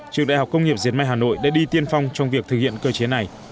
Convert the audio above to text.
trường đại học công nghiệp diệt may hà nội đã đi tiên phong trong việc thực hiện cơ chế này